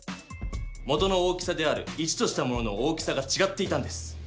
元の大きさである１としたものの大きさがちがっていたんです。